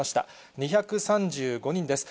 ２３５人です。